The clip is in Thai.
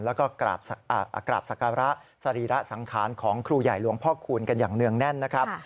แล้วก็กราบศักระสรีระสังขารของครูใหญ่หลวงพ่อคูณกันอย่างเนื่องแน่นนะครับ